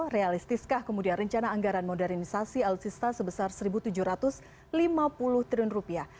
realistiskah kemudian rencana anggaran modernisasi alutsista sebesar satu tujuh ratus lima puluh triliun rupiah